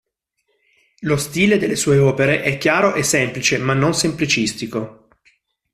Lo stile delle sue opere è chiaro e semplice, ma non semplicistico.